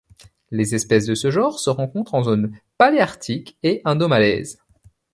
Les espèces de ce genre se rencontrent en zones paléarctique et indomalaise.